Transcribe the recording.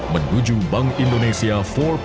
menuju bank indonesia empat